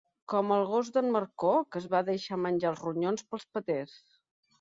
Com el gos d'en Marcó, que es va deixar menjar els ronyons pels peters.